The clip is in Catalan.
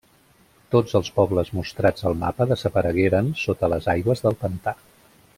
Tots els pobles mostrats al mapa desaparegueren sota les aigües del pantà.